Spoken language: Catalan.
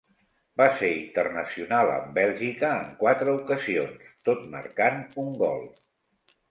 Va ser internacional amb Bèlgica en quatre ocasions, tot marcant un gol.